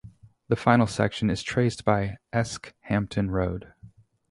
The final section is traced by Esk–Hampton Road.